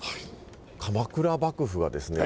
鎌倉幕府がですね